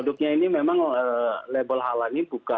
produknya ini memang label halal ini bukan hanya terbatas batas